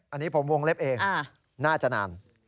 อันนี้ผมวงเล็บเองน่าจะนาน